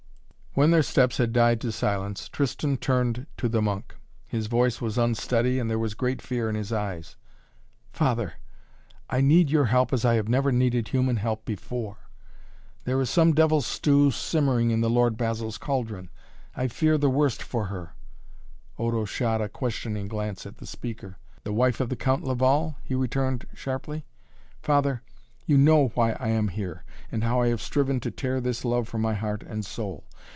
When their steps had died to silence Tristan turned to the monk. His voice was unsteady and there was a great fear in his eyes. "Father, I need your help as have I never needed human help before. There is some devil's stew simmering in the Lord Basil's cauldron. I fear the worst for her " Odo shot a questioning glance at the speaker. "The wife of the Count Laval?" he returned sharply. "Father you know why I am here and how I have striven to tear this love from my heart and soul.